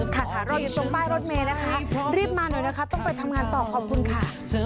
ค่ะรออยู่ตรงป้ายรถเมย์นะคะรีบมาหน่อยนะคะต้องไปทำงานต่อขอบคุณค่ะ